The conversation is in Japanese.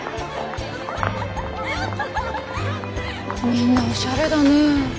みんなおしゃれだね。